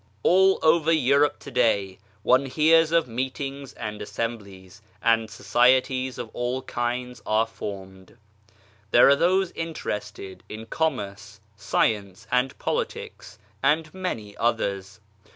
\ LL over Europe to day one hears of meetings and assemblies, and Societies of all kinds are formed. There are those interested in commerce, science, and poli tics, and many others.